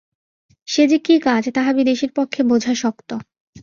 সে যে কী কাজ তাহা বিদেশীর পক্ষে বোঝা শক্ত।